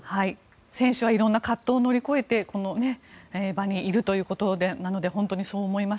選手は色んな葛藤を乗り越えてこの場にいるということなので本当にそう思います。